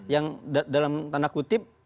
yang dalam tanda kutip